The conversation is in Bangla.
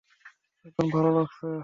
এখন ভালো লাগছে?